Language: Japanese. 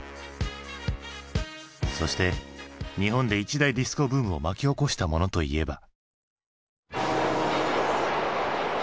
そして日本で一大ディスコブームを巻き起こしたものといえば。